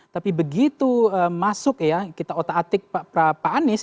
tapi begitu masuk ya kita otak atik pak anies